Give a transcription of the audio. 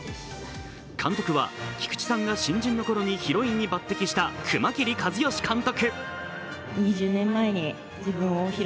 監督は菊地さんが新人のころにヒロインに抜てきした熊切和嘉監督。